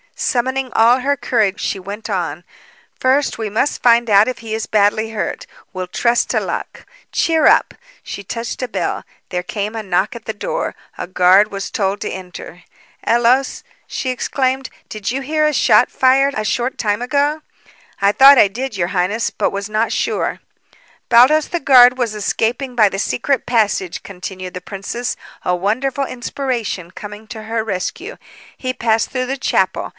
Summoning all her courage, she went on: "First, we must find out if he is badly hurt. We'll trust to luck. Cheer up!" She touched a bell. There came a knock at the door. A guard was told to enter. "Ellos," she exclaimed, "did you hear a shot fired a short time ago?" "I thought I did, your highness, but was not sure." "Baldos, the guard, was escaping by the secret passage," continued the princess, a wonderful inspiration coming to her rescue. "He passed through the chapel.